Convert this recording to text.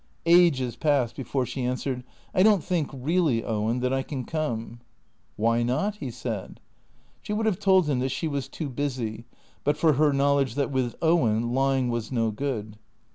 Ages passed before she answered. " I don't think, really, Owen, that I can come." « Why not ?" he said. She would have told him that she was too busy, but for her knowledge that with Owen lying was no good.